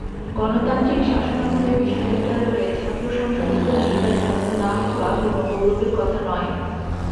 গণতান্ত্রিক শাসনামলে বিশ্ববিদ্যালয়ে ছাত্র সংসদগুলোর নির্বাচন না হওয়া কোনো গৌরবের কথা নয়।